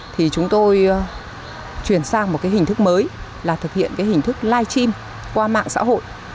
thì chúng tôi chuyển sang một cái hình thức mới là thực hiện cái hình thức live stream qua mạng xã hội